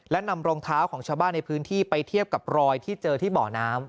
และนำรองเท้าของชาวบ้านในพื้นที่ไปเทียบกับรอยที่เจอที่เบาะน้ำ